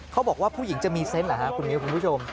เขาบอกว่าผู้หญิงจะมีเซนต์เหรอฮะคุณมิวคุณผู้ชม